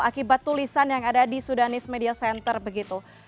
akibat tulisan yang ada di sudanis media center begitu